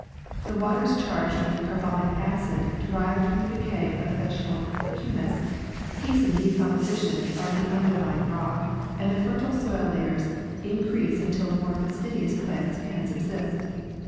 The waters charged with carbonic acid derived from the decay of the vegetal humus hasten the decomposition of the underlying rock, and the fertile soil layers increase until more fastidious plants can subsist.